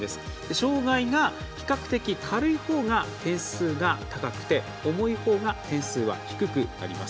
障がいが比較的軽いほうが点数が高くて重いほうが点数は低くなります。